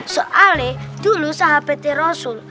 soalnya dulu sahabatnya rasul